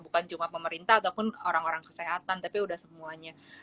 bukan cuma pemerintah ataupun orang orang kesehatan tapi udah semuanya